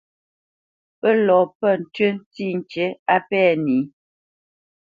Pə́ lɔ pə̂ ntʉ́ ntsî ŋkǐ á pɛ̂ nǐ.